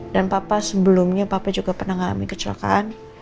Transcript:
dan papa sebelumnya papa juga pernah ngalamin kecelakaan